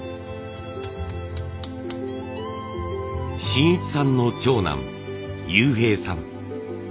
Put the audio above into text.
眞一さんの長男悠平さん。